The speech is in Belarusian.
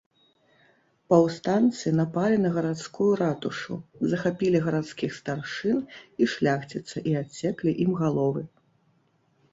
Паўстанцы напалі на гарадскую ратушу, захапілі гарадскіх старшын і шляхціца і адсеклі ім галовы.